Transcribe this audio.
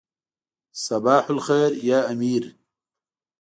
صباح الخیر یا امیر.